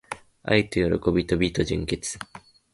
愛と喜びと美と純潔